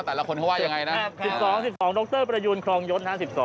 ว่าแต่ละคนเขาว่ายังไงนะครับ๑๒ดรประยูนครองยศนะครับ๑๒